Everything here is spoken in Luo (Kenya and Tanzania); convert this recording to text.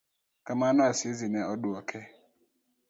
Kamano, Asisi ne oduoko